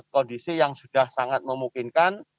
kondisi yang sudah sangat memungkinkan